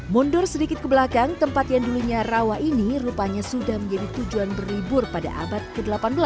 mundur sedikit ke belakang tempat yang dulunya rawa ini rupanya sudah menjadi tujuan berlibur pada abad ke delapan belas